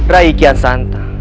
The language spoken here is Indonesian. raih kian santang